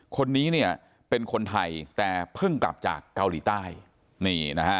คนนี้เป็นคนไทยแต่เพิ่งกลับจากเกาหลีใต้